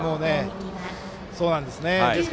そうなんです。